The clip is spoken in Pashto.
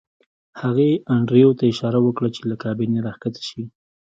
هغې انډریو ته اشاره وکړه چې له کابینې راښکته شي